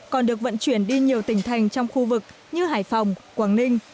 còn được vận chuyển đi nhiều tỉnh thành trong khu vực như hải phòng quảng ninh